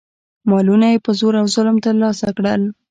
مالونه یې په زور او ظلم ترلاسه کړل.